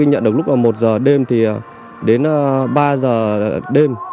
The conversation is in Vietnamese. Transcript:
tôi nhận được lúc một giờ đêm đến ba giờ đêm